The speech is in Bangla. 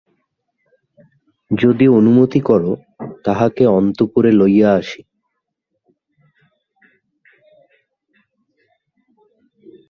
যদি অনুমতি কর তাঁহাকে অন্তঃপুরে লইয়া আসি।